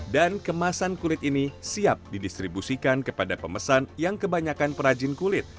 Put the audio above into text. dan kemasan kulit ini siap didistribusikan kepada pemesan yang kebanyakan perajin kulit